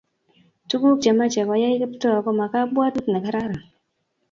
Tuguk che mache koyay Kiptoo koma kabwatut ne kararan